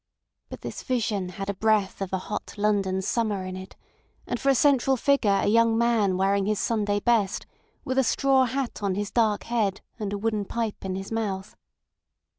But this vision had a breath of a hot London summer in it, and for a central figure a young man wearing his Sunday best, with a straw hat on his dark head and a wooden pipe in his mouth.